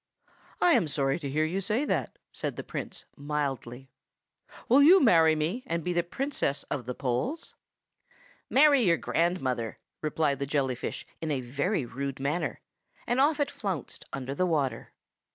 "I am sorry to hear you say that," said the Prince, mildly. "Will you marry me, and be Princess of the Poles?" "Marry your grandmother!" replied the jelly fish in a very rude manner; and off it flounced under the water.